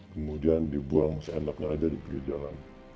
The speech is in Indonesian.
kemudian dibuang seenaknya aja di pinggir jalan